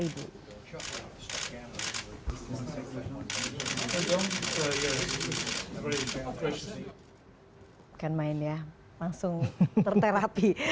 bukan main ya langsung terterapi